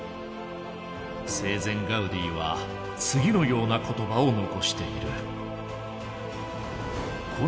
生前ガウディは次のような言葉を残している。